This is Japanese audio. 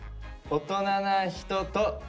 大人な人？